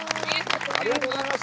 ありがとうございます。